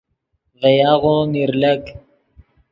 ڤے یاغو میر لک